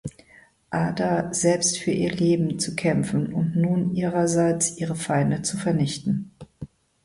Adar selbst für ihr Leben zu kämpfen und nun ihrerseits ihre Feinde zu vernichten.